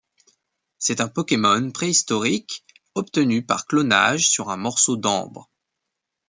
C'est un Pokémon préhistorique obtenu par clonage sur un morceau d'ambre.